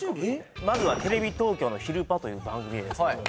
まずはテレビ東京の「ひるパ！」という番組へですね